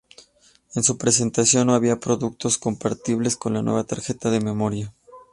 En su presentación no había productos compatibles con la nueva tarjeta de memoria.